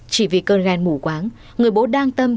chỉ vì cơn gan mủ quáng người bố đang tâm